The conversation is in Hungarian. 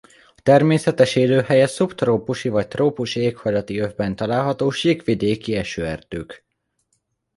A természetes élőhelye szubtrópusi vagy trópusi éghajlati övben található síkvidéki esőerdők.